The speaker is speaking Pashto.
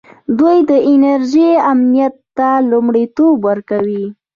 دوی د انرژۍ امنیت ته لومړیتوب ورکوي.